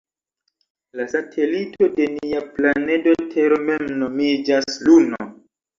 La satelito de nia planedo Tero mem nomiĝas Luno.